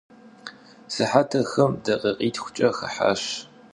Sıhetır xım dakhikhitxuç'e xıhaş.